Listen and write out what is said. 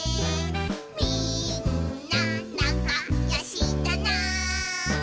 「みんななかよしだな」